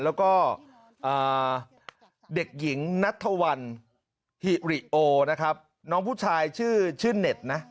แล้วก็เด็กหญิงนัทธวัลฮิริโอนะครับน้องผู้ชายชื่อเน็ตนะ